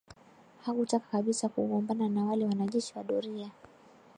Hakutaka kabisa kugombana na wale wanajeshi wa doria